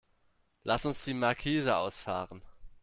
Lass uns die Markise ausfahren.